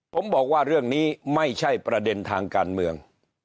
ผมบอกว่าเรื่องนี้ไม่ใช่ประเด็นทางการเมือง